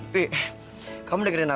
bebe kamu dengerin aku ya